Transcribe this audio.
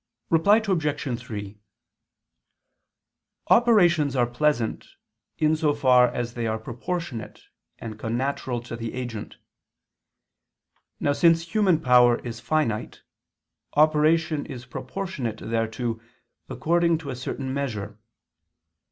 Reply Obj. 3: Operations are pleasant, in so far as they are proportionate and connatural to the agent. Now, since human power is finite, operation is proportionate thereto according to a certain measure.